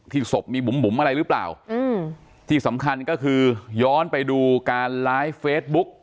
ศพมีบุ๋มบุ๋มอะไรหรือเปล่าอืมที่สำคัญก็คือย้อนไปดูการไลฟ์เฟซบุ๊ก